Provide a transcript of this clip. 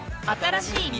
新しい。